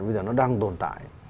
bây giờ nó đang tồn tại